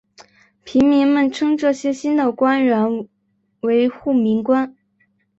平民们称这些新的官员为护民官。